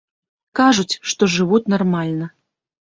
Кажуць, што жывуць нармальна.